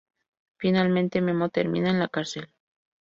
Finalmente, Memo termina en la cárcel.